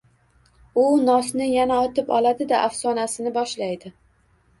U nosni yana otib oladi-da, afsonasini boshlaydi.